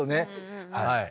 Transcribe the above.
はい。